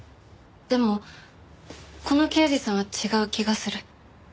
でもこの刑事さんは違う気がする。